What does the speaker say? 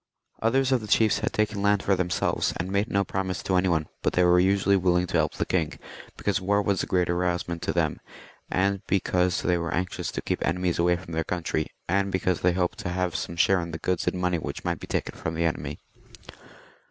Others of the chiefs had taken land for themselves, as I said before, and made no promise to any one ; but they were usually willing to help the king, be cause war was a great amusement to them, and because they were anxious to keep enemies away from their coun try, and because they hoped to have some share in the goods and money which might be taken from the enemy.